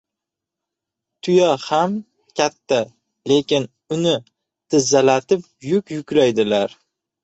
• Tuya ham katta, lekin uni tizzalatib yuk yuklaydilar.